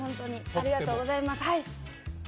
ありがとうございます。